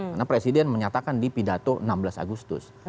karena presiden menyatakan di pidato enam belas agustus